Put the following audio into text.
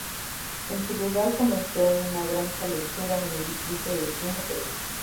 En su lugar, comenzó una granja lechera en el distrito de Tingo, Perú.